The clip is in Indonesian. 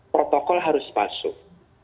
protokol harus masuk